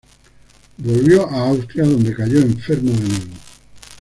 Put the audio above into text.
Volvió a Austria, donde cayó enfermo de nuevo.